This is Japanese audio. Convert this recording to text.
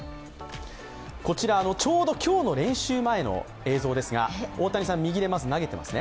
こちらちょうど今日の練習前の映像ですが、大谷さん右でまず投げてます